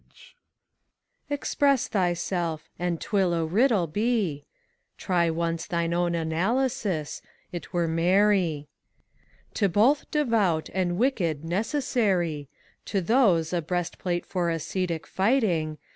SPHINX. Express thyself, and 't will a riddle be. Try once thine own analysis : 't were merry. "To both Devout and Wicked necessary: To those, a breast plate for ascetic fighting; ACT II.